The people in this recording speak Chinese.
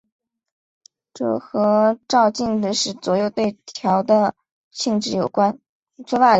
这和照镜子时左右对调的性质有关。